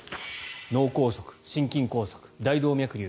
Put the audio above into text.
脳梗塞、心筋梗塞、大動脈りゅう